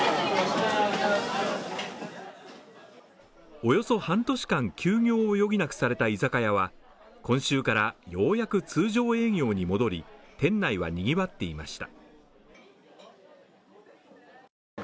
およそ半年間休業を余儀なくされた居酒屋は今週からようやく通常営業に戻り、店内は賑わっていました